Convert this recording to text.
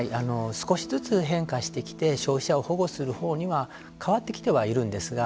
少しずつ変化してきて消費者を保護するほうには変わってきてはいるんですが